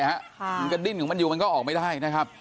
มันกระดิ้นของมันอยู่มันก็ออกไม่ได้